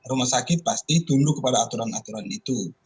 rumah sakit pasti tunduk kepada aturan aturan itu